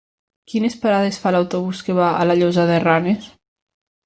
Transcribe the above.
Quines parades fa l'autobús que va a la Llosa de Ranes?